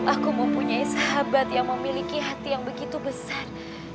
aku mempunyai sahabat yang memiliki hati yang begitu besar